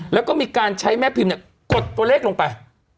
แล้วก็มีการใช้แม่พิมพ์กดตัวเลขลงไป